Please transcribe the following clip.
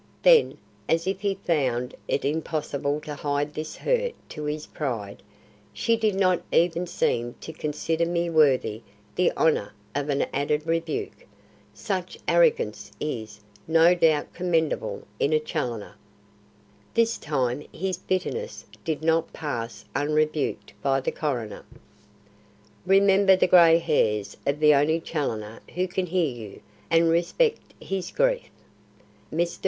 Then, as if he found it impossible to hide this hurt to his pride, "She did not even seem to consider me worthy the honour of an added rebuke. Such arrogance is, no doubt, commendable in a Challoner." This time his bitterness did not pass unrebuked by the coroner: "Remember the grey hairs of the only Challoner who can hear you, and respect his grief." Mr.